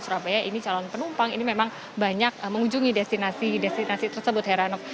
surabaya ini calon penumpang ini memang banyak mengunjungi destinasi destinasi tersebut herano